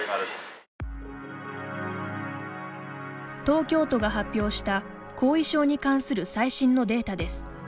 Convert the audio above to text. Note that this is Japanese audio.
東京都が発表した後遺症に関する最新のデータです。